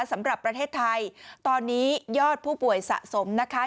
สำหรับประเทศไทยตอนนี้ยอดผู้ป่วยสะสมนะคะ